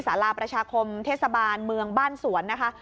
สาราประชาคมเทศบาลเมืองบ้านสวนนะคะ